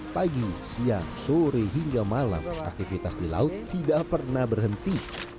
pagi siang sore hingga malam aktivitas di laut tidak pernah berhenti